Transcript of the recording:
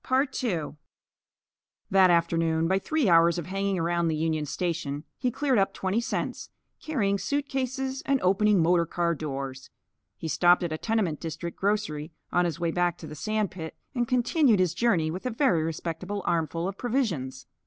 That afternoon, by three hours of hanging around the Union Station, he cleared up twenty cents, carrying suit cases and opening motorcar doors. He stopped at a tenement district grocery, on his way back to the sand pit, and continued his journey with a very respectable armful of provisions.